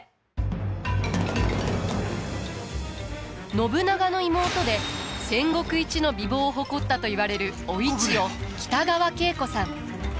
信長の妹で戦国一の美貌を誇ったといわれるお市を北川景子さん。